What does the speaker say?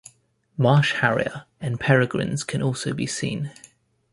Marsh harrier and peregrines can also be seen.